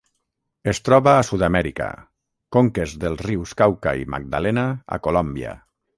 Es troba a Sud-amèrica: conques dels rius Cauca i Magdalena a Colòmbia.